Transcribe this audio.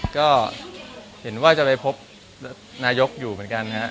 ก็เห็นว่าจะไปพบนายกอยู่เหมือนกันนะครับ